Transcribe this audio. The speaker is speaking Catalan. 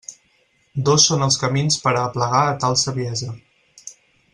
Dos són els camins per a aplegar a tal saviesa.